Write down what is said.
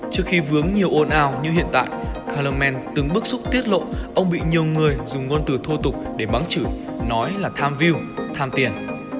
trước khi vướng nhiều ồn ào như hiện tại khalonman từng bức xúc tiết lộ ông bị nhiều người dùng ngôn từ thô tục để bắn chữ nói là tham view tham tiền